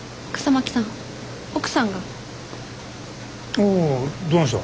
おおどないした。